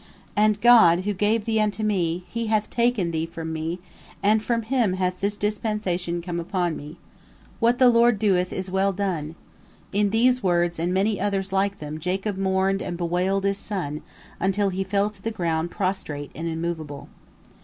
And God who gave thee unto me, He hath taken thee from me, and from Him hath this dispensation come upon me. What the Lord doeth is well done!" In these words and many others like them Jacob mourned and bewailed his son, until he fell to the ground prostrate and immovable.